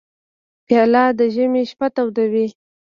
پیاله د ژمي شپه تودوي.